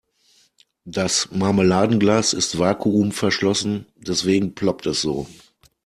Das Marmeladenglas ist vakuumverschlossen, deswegen ploppt es so.